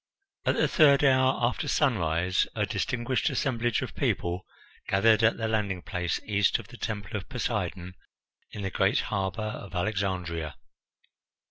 At the third hour after sunrise a distinguished assemblage of people gathered at the landing place east of the Temple of Poseidon in the great harbour of Alexandria.